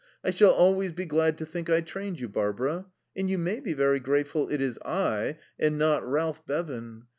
I shall always be glad to think I trained you, Barbara.... And you may be very thankful it is I and not Ralph Bevan.